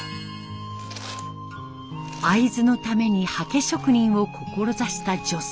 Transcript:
会津のために刷毛職人を志した女性。